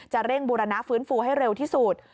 เร่งบูรณะฟื้นฟูให้เร็วที่สุด